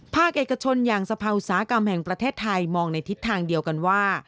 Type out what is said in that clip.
ภาคเอกชนอย่างสภาอุตสาหกรรมแห่งประเทศไทยมองในทิศทางเดียวกันว่า